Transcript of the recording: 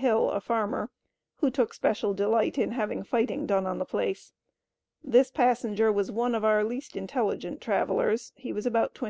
Hill, a farmer, who took special delight in having "fighting done on the place." This passenger was one of our least intelligent travelers. He was about 22.